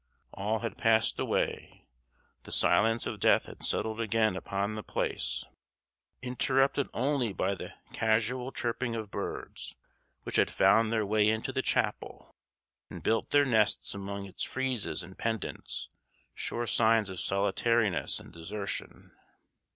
All had passed away; the silence of death had settled again upon the place, interrupted only by the casual chirping of birds, which had found their way into the chapel and built their nests among its friezes and pendants sure signs of solitariness and desertion.